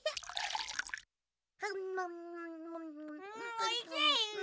おいしい！